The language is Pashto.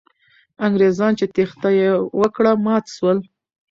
انګریزان چې تېښته یې وکړه، مات سول.